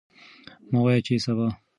مه وایئ چې سبا.